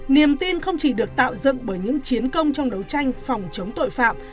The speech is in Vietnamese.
niềm tin không chỉ được tạo dựng bởi những chiến công trong đấu tranh phòng chống tội phạm